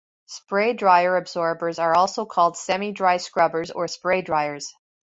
Spray dryer absorbers are also called semi-dry scrubbers or spray dryers.